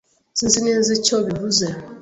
Sinzi neza icyo bivuze.